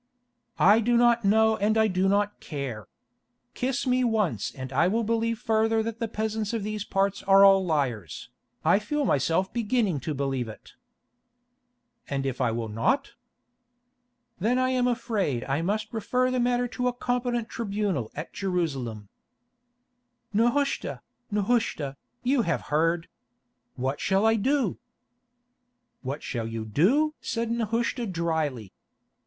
"I do not know and I do not care. Kiss me once and I will believe further that the peasants of these parts are all liars. I feel myself beginning to believe it." "And if I will not?" "Then I am afraid I must refer the matter to a competent tribunal at Jerusalem." "Nehushta, Nehushta, you have heard. What shall I do?" "What shall you do?" said Nehushta drily.